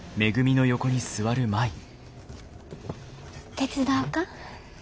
手伝おか？